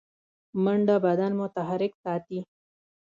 منډه بدن متحرک ساتي